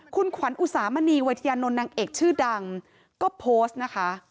คุณขวัญอุสามณีวัยทยานนท์นางเอกชื่อดังก็โพสต์นะคะ